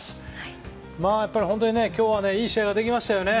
やっぱりきょうはいい試合ができましたよね。